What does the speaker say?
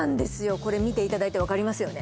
これ見ていただいて分かりますよね